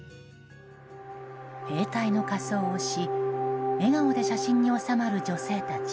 兵隊の仮装をし笑顔で写真に納まる女性たち。